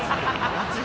熱い！